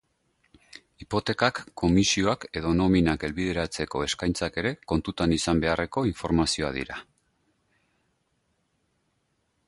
Hipotekak, komisioak edo nominak helbideratzeko eskaintzak ere kontutan izan beharreko informazioa dira.